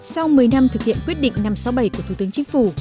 sau một mươi năm thực hiện quyết định năm trăm sáu mươi bảy của thủ tướng chính phủ